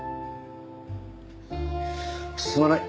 すまない。